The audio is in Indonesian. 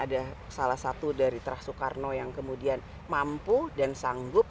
ada salah satu dari terah soekarno yang kemudian mampu dan sanggup